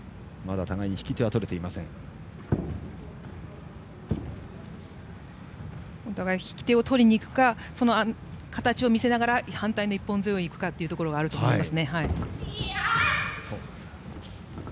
お互いに引き手をとりにいくかその形を見せながら反対の一本背負いにいくかというところがあると思います。